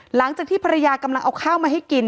หลังจากที่ภรรยากำลังเอาข้าวมาให้กิน